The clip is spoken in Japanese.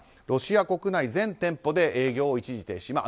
ロシア国内全店舗で営業を停止。